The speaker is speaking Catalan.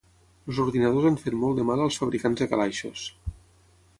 Els ordinadors han fet molt de mal als fabricants de calaixos.